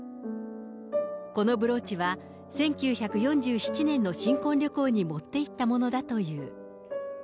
このブローチは１９４７年の新婚旅行に持っていったものだという。